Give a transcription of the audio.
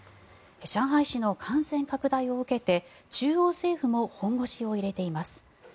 上海市の感染拡大を受けて中央政府も本腰を入れています。